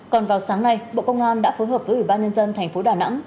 còn vào sáng nay bộ công an đã phối hợp với ủy ban nhân dân tp đà nẵng